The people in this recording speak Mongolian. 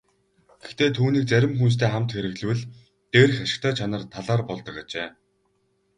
Гэхдээ түүнийг зарим хүнстэй хамт хэрэглэвэл дээрх ашигтай чанар талаар болдог ажээ.